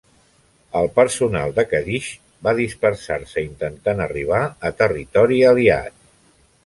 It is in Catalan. El personal de "Cadix" va dispersar-se, intentant arribar a territori aliat.